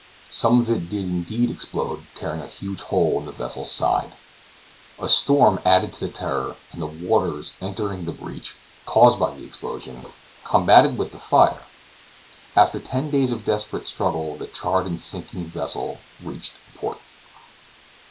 Some of it did indeed explode, tearing a huge hole in the vessel's side. A storm added to the terror, and the waters entering the breach caused by the explosion, combated with the fire. After ten days of desperate struggle, the charred and sinking vessel reached a port.